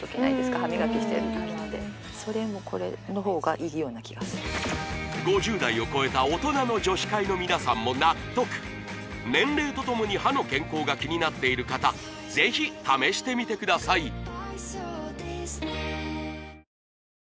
歯磨きしてる時ってそれもこれの方がいいような気がする５０代を超えた大人の女史会の皆さんも納得年齢とともに歯の健康が気になっている方ぜひ試してみてください